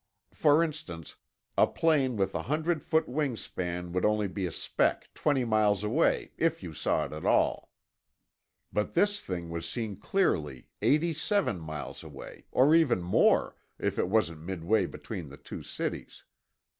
For instance, a plane with a hundred foot wing span would only be a speck twenty miles away, if you saw it at all." "But this thing was seen clearly eighty seven miles away—or even more, if it wasn't midway between the two cities.